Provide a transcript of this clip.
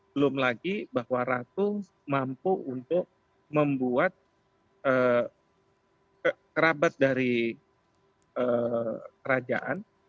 belum lagi bahwa ratu mampu untuk membuat kerabat dari kerajaan